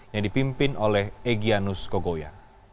yang dipimpin oleh egyanus kogoya